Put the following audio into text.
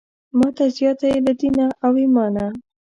ماته زیاته یې له دینه او ایمانه.